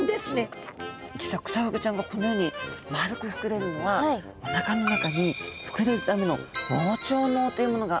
実はクサフグちゃんがこのように丸く膨れるのはおなかの中に膨れるための「膨張のう」というものがあるんですね。